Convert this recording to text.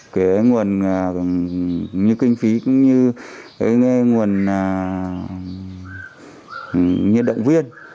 cái nguồn như kinh phí cũng như cái nguồn nhân động viên